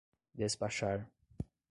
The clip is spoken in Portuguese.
despachar